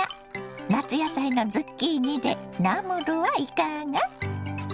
夏野菜のズッキーニでナムルはいかが。